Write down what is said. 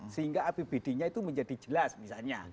sehingga apbd nya itu menjadi jelas misalnya